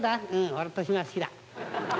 俺年増好きだ。